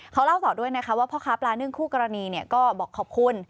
เขาเล่าต่อด้วยนะคะว่าพ่อค้าปลานึ่งคู่กรณีก็บอกขอบคุณ